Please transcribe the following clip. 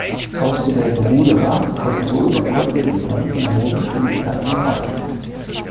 Ausgewählte Ruderer konnten so über kurze Distanzen hohe Geschwindigkeiten erreichen.